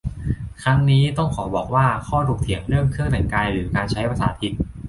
ตรงนี้ต้องขอบอกว่า ข้อถกเถียงเรื่องเครื่องแต่งกาย หรือ การใช้ภาษาถิ่น